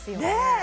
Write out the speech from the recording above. え